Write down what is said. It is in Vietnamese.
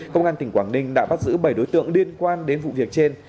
công an tỉnh quảng ninh đã bắt giữ bảy đối tượng liên quan đến vụ việc trên